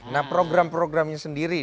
nah program programnya sendiri